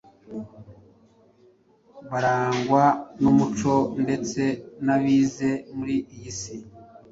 barangwa n’umuco ndetse n’abize muri iyi si,